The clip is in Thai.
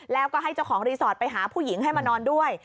แล้วก็ให้เจ้าของรีสอร์ทไปหาผู้หญิงให้มานอนด้วย